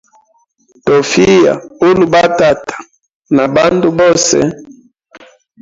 Tofiya uli ba tata na bandu bose.